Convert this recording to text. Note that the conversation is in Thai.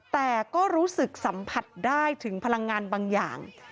แต่ก็รู้สึกสัมผัสได้ถึงพลังงานบางอย่าง